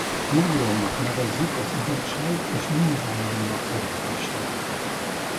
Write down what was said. Neuronnak nevezzük az idegsejt és nyúlványainak együttesét.